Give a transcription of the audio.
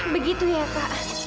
begitu ya pak